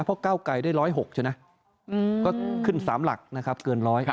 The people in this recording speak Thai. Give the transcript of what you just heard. เพราะก้าวไก่ได้ร้อยหกใช่ไหมอืมก็ขึ้นสามหลักนะครับเกินร้อย